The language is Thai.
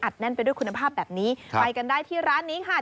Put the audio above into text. แน่นไปด้วยคุณภาพแบบนี้ไปกันได้ที่ร้านนี้ค่ะ